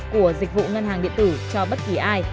của dịch vụ ngân hàng điện tử cho bất kỳ ai